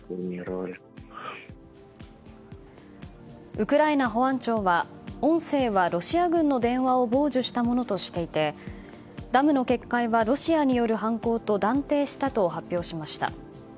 ウクライナ保安庁は音声はロシア軍の電話を傍受したものとしていてダムの決壊はロシアによる犯行と断定したと発表しました。